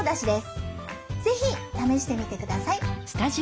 是非試してみてください。